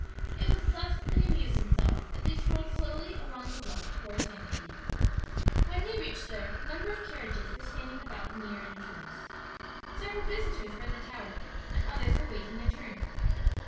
It was thus they amused themselves as they strolled slowly along the bluff toward Sankaty. When they reached there a number of carriages were standing about near the entrance, several visitors were in the tower, and others were waiting their turn.